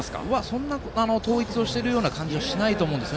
そんなに統一している感じはしないと思います。